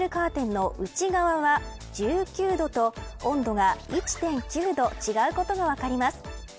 一方、ビニールカーテンの内側は１９度と、温度が１．９度違うことが分かります。